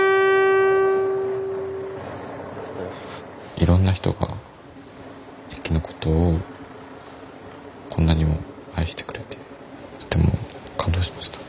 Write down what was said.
いろんな人が駅のことをこんなにも愛してくれてとても感動しました。